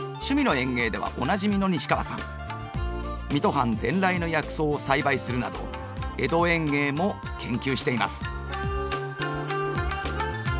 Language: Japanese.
藩伝来の薬草を栽培するなど江戸園芸も研究しています。